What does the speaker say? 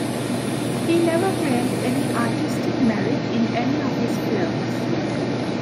He never claimed any artistic merit in any of his films.